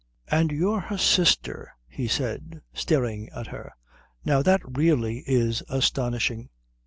"And you're her sister," he said, staring at her. "Now that really is astonishing."